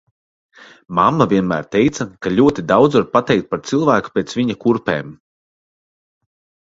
Mamma vienmēr teica, ka ļoti daudz var pateikt par cilvēku pēc viņa kurpēm.